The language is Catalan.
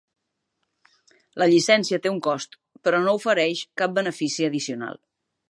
La llicència té un cost, però no ofereix cap benefici addicional.